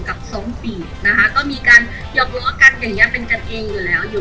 กับ๒ปีนะครับก็มีการหยอบรอกันอย่างนี้เป็นกันเองอยู่แล้ว